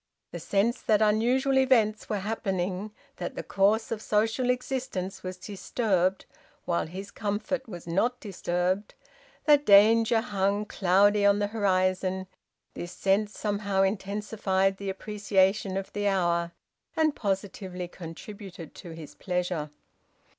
The sense that unusual events were happening, that the course of social existence was disturbed while his comfort was not disturbed, that danger hung cloudy on the horizon this sense somehow intensified the appreciation of the hour, and positively contributed to his pleasure.